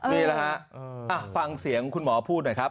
นี่แหละฮะฟังเสียงคุณหมอพูดหน่อยครับ